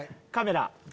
カメラ。